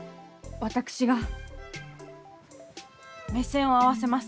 私が目線を合わせます。